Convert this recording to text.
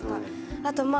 あとまあ